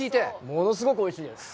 物すごくおいしいです！